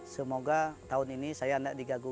semoga tahun ini saya gak digagal